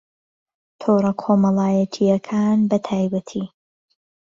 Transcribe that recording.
تۆڕەکۆمەڵایەتییەکان بەتایبەتی